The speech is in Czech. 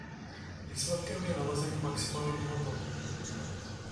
Výsledkem je nalezení maximálního toku.